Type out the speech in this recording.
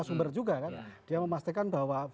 sumber juga kan dia memastikan bahwa